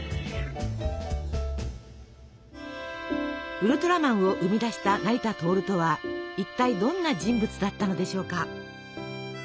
ウルトラマンを生み出した成田亨とは一体どんな人物だったのでしょうか？